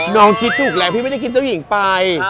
น้องคิดถูกแล้วพี่ไม่ได้คิดเจ้าหญิงไป